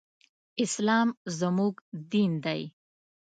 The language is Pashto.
اسلام زموږ دين دی